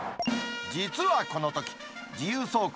実はこのとき、自由走行